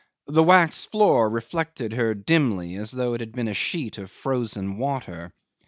The waxed floor reflected her dimly as though it had been a sheet of frozen water.